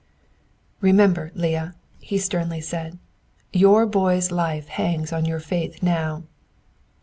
"Remember, Leah," he sternly said, "your boy's life hangs on your faith now."